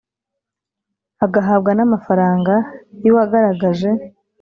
Agahabwa n amafaranga y uwagaragaje